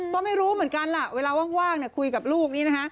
ก็ไม่รู้เหมือนกันล่ะเวลาว่างคุยกับลูกนี้นะคะ